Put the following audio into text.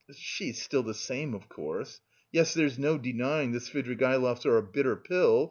she is still the same, of course! Yes, there's no denying, the Svidrigaïlovs are a bitter pill!